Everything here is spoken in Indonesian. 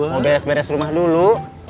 mau beres beres rumah dulu